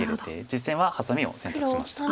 実戦はハサミを選択しました。